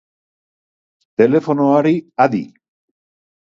Telefonoari adi.